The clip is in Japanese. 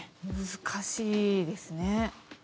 難しいですね。